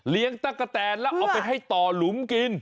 เลี้ยงตั๊กกะแทนแล้วเอาไปให้ต่อหลุมกิน